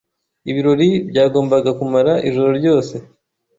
Ibirori byagombaga kumara ijoro ryose.